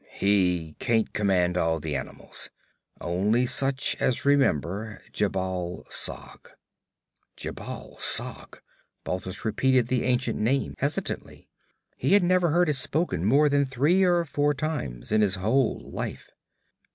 'He can't command all the animals. Only such as remember Jhebbal Sag.' 'Jhebbal Sag?' Balthus repeated the ancient name hesitantly. He had never heard it spoken more than three or four times in his whole life.